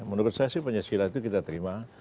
menurut saya sih pancasila itu kita terima